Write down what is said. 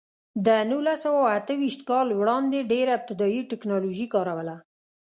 د نولس سوه اته ویشت کال وړاندې ډېره ابتدايي ټکنالوژي کار وله.